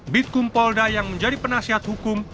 bitkum polda yang menjadi penasihat hukum